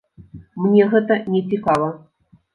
Мне гэта не цікава.